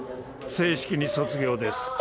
正式に卒業です。